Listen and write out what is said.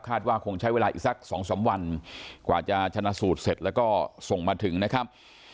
ว่าคงใช้เวลาอีกสักสองสามวันกว่าจะชนะสูตรเสร็จแล้วก็ส่งมาถึงนะครับ